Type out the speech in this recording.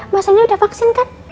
mas lendi udah vaksin kan